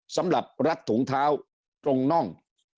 สำหรับรัดถุงเท้าตรงน่อง